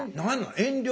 遠慮？